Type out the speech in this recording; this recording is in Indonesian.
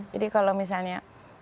jadi kalau misalnya